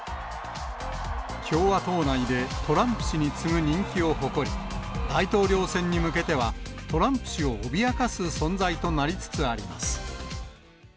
共和党内でトランプ氏に次ぐ人気を誇り、大統領選に向けては、トランプ氏を脅かす存在となりつつあります。